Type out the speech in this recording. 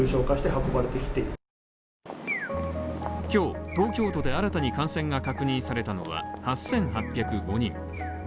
今日、東京都で新たに感染が確認されたのは８８０５人。